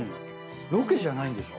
ロケじゃないんでしょ？